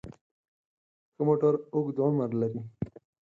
ښه موټر اوږد عمر لري.